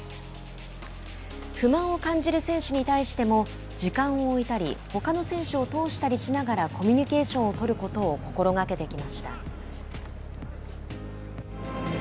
不満を感じる選手に対しても時間を置いたりほかの選手を通したりしながらコミュニケーションをとることを心がけてきました。